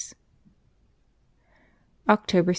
October 16.